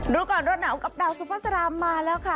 ดูก่อนรนเหนากับดาวสุฟาสรามมาแล้วค่ะ